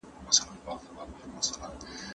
که پښتو قوي وي، نو کلتوري ویاړ به ورسره وي.